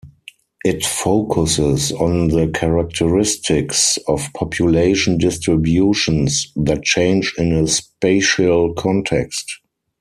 It focuses on the characteristics of population distributions that change in a spatial context.